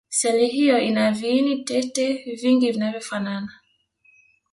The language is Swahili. seli hiyo ina viini tete vingi vinavyofanana